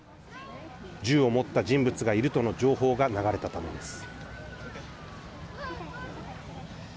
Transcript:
銃を持った人物がいるとの情報が流れたためです。